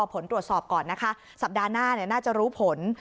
ผลตรวจสอบก่อนนะคะสัปดาห์หน้าน่าจะรู้ผล